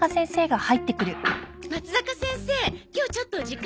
まつざか先生今日ちょっと時間ある？